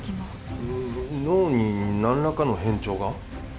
うん脳に何らかの変調が？